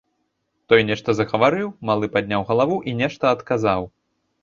Той нешта загаварыў, малы падняў галаву і нешта адказаў.